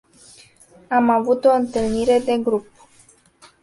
Am avut o întâlnire de grup.